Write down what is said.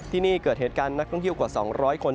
ที่นี่เกิดเหตุการณ์นักท่องเที่ยวกว่า๒๐๐คน